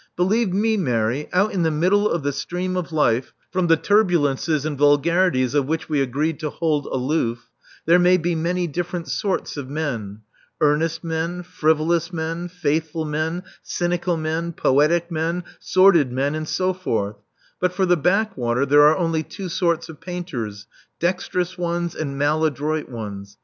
Believe nic, Mary, out in the middle of the stream of life, from the tiirbiilences and vulgarities of which we av^rced to hold aloof, there may be many different sorts of men — earnest men, frivolous men, faithful men, cyni cal men, poetic men, sordid men, and so forth; but for the backwater there are only two sorts of painters, dexterous ones and maladroit ones.